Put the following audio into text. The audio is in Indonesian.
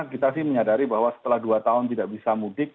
kita sih menyadari bahwa setelah dua tahun tidak bisa mudik